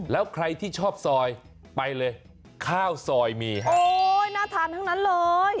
แล้วใครที่ชอบซอยไปเลยข้าวซอยมีครับโอ้ยน่าทานทั้งนั้นเลย